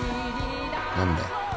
何だよ。